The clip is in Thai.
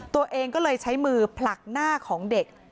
ตัวเองก็เลยใช้มือผลักหน้าของเด็ก